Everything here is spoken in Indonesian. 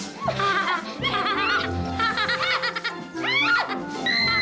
iya papa ini juga keras